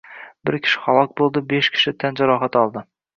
Bir kishi halok boʻldi, besh kishi tan jarohati oldi